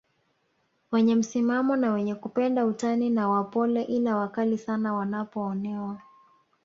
wenye msimamo na wenye kupenda utani na wapole ila wakali sana wanapoonewa